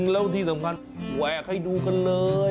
แล้วที่สำคัญแหวกให้ดูกันเลย